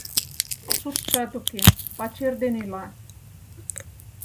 Суртшат уке, пачер дене ила.